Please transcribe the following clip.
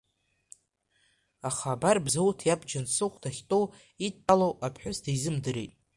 Аха абар Бзауҭ иаб Џьансыхә дахьтәоу, идтәалоу аԥҳәыс дизымдырит.